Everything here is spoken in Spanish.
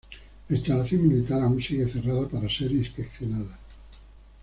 La instalación militar aún sigue cerrada para ser inspeccionada.